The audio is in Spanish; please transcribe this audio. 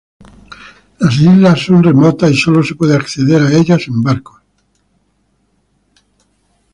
Las islas son remotas y sólo se puede acceder a ellas en barco.